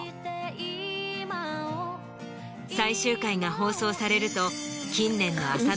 最終回が放送されると。